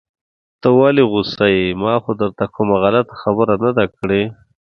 ته ولې غوسه يې؟ ما خو درته کومه غلطه خبره نده کړي.